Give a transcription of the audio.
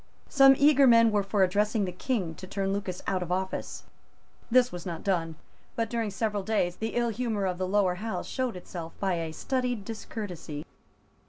Some eager men were for addressing the King to turn Lucas out of office. This was not done; but during several days the ill humour of the Lower House showed itself by a studied discourtesy.